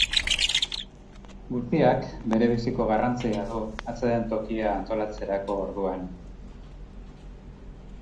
Guztiak, bere biziko garrantzia du atseden tokia antolatzerako orduan.